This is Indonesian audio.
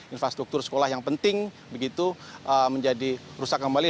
infrastruktur sekolah yang penting begitu menjadi rusak kembali